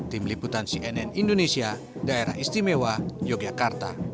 tim liputan cnn indonesia daerah istimewa yogyakarta